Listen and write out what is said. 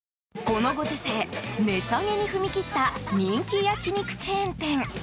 このご時世値下げに踏み切った人気焼き肉チェーン店。